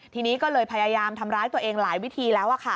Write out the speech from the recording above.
ทีนี้ก็เลยพยายามทำร้ายตัวเองหลายวิธีแล้ว